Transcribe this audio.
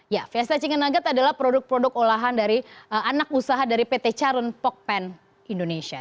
ya festa chicken nugget adalah produk produk olahan dari anak usaha dari pt charun pokpen indonesia